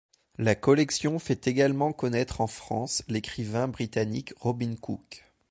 La collection fait également connaître en France l'écrivain britannique Robin Cook.